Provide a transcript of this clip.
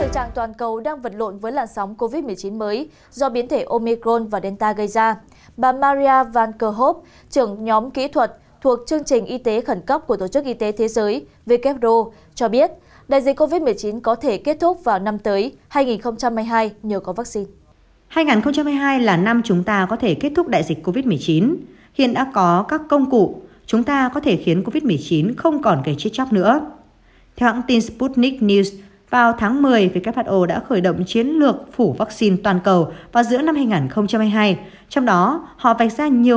trong thời trạng toàn cầu đang vật lộn với lạng sóng covid một mươi chín mới do biến thể omicron và delta gây ra